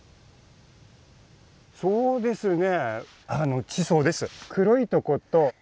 そうですね